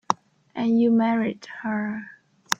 And you married her.